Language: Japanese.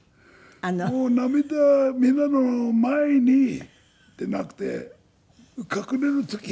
もう涙みんなの前に出なくて隠れる時。